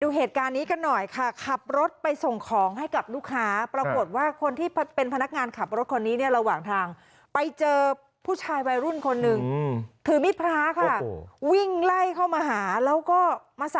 ดูเหตุการณ์นี้กันหน่อยค่ะขับรถไปส่งของให้กับลูกค้า